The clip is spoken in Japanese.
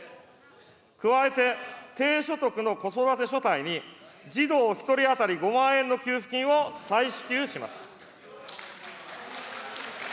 加えて、低所得の子育て世帯に、児童１人当たり５万円の給付金を再支給します。